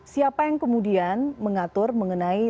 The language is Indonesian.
siapa yang kemudian mengatur mengenai